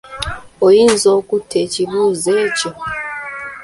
Oyinza okutta ekibuuzo ekyo?